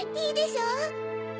いいでしょ？